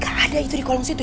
gak ada itu di kolong situ